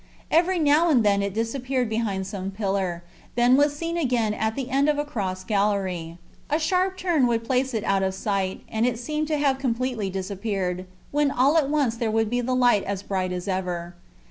Every now and then it disappeared behind some pillar, then was seen again at the end of a cross gallery. A sharp turn would place it out of sight, and it seemed to have completely disappeared, when all at once there would be the light as bright as ever.